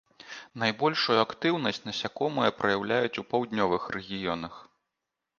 Найбольшую актыўнасць насякомыя праяўляюць у паўднёвых рэгіёнах.